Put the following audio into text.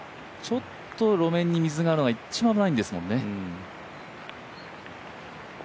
ちょっと路面に水があるのが一番危ないんですもんね。